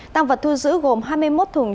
tăng vật thu giữ gồm hai mươi một thùng